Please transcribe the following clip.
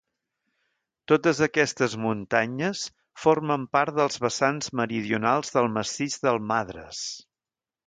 Totes aquestes muntanyes formen part dels vessants meridionals del massís del Madres.